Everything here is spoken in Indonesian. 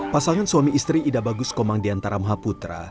pasangan suami istri ida bagus komang diantaramha putra